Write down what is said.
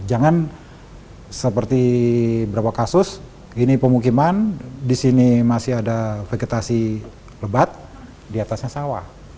jangan seperti beberapa kasus ini pemukiman disini masih ada vegetasi lebat diatasnya sawah